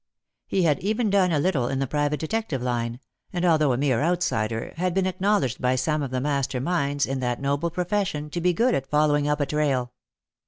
He had even done a little in the private detective line, and although a mere outsider, had been acknowledged by some of the master minds in that noble pro fession to be good at following up a trail.